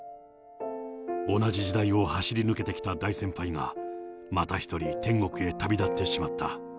同じ時代を走り抜けてきた大先輩が、また一人、天国へ旅立ってしまった。